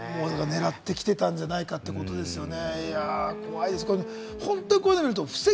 狙ってきてたんじゃないかってことですよね。